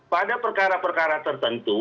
pada perkara perkara tertentu